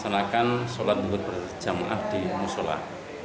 mengajikan sholat zuhur berjamaah di musulah